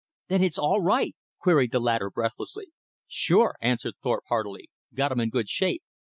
"Then it's all right?" queried the latter breathlessly. "Sure," answered Thorpe heartily, "got 'em in good shape."